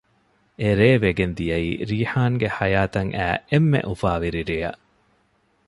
އެރޭ ވެގެންދިޔައީ ރީޙާންގެ ޙަޔާތަށް އައި އެންމެ އުފާވެރި ރެޔަށް